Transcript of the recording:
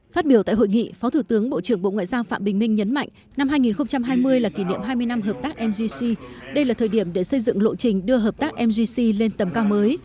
phát biểu tại hội nghị phó thủ tướng bộ trưởng bộ ngoại giao phạm bình minh nhấn mạnh năm hai nghìn hai mươi là kỷ niệm hai mươi năm hợp tác mgc đây là thời điểm để xây dựng lộ trình đưa hợp tác mgc lên tầm cao mới